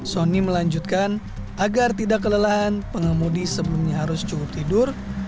sonny melanjutkan agar tidak kelelahan pengemudi sebelumnya harus cukup tidur